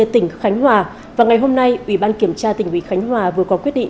tỉnh khánh hòa và ngày hôm nay ủy ban kiểm tra tỉnh ủy khánh hòa vừa có quyết định